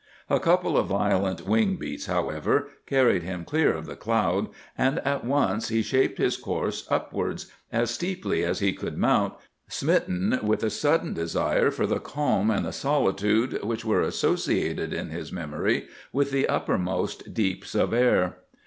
A couple of violent wing beats, however, carried him clear of the cloud; and at once he shaped his course upwards, as steeply as he could mount, smitten with a sudden desire for the calm and the solitude which were associated in his memory with the uppermost deeps of air.